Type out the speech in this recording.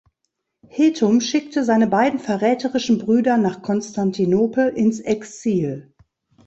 Hethum schickte seine beiden verräterischen Brüder nach Konstantinopel ins Exil.